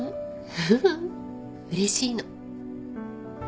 ううんうれしいの。